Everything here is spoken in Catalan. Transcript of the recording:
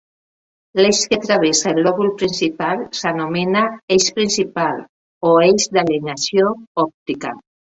L'eix que travessa el lòbul principal s'anomena "eix principal" o "eix d'alineació òptica".